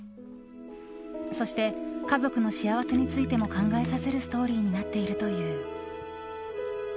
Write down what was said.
そして家族の幸せについても考えさせるストーリーになっているという。